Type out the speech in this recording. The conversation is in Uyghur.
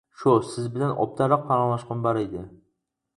-شۇ سىز بىلەن ئوبدانراق پاراڭلاشقۇم بار ئىدى.